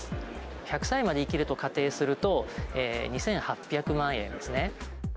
１００歳まで生きると仮定すると、２８００万円ですね。